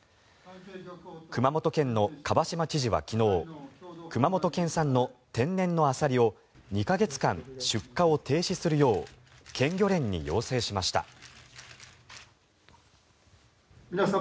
熊本県の蒲島知事は昨日熊本県産の天然のアサリを２か月間出荷を停止するよう県漁連に要請しました。